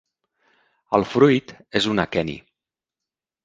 El fruit és un aqueni.